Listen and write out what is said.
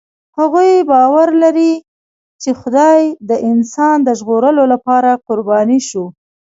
هغوی باور لري، چې خدای د انسان د ژغورلو لپاره قرباني شو.